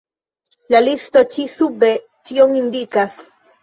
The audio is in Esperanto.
La listo ĉi sube tion indikas.